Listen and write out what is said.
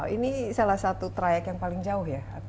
ini salah satu trayek yang paling jauh ya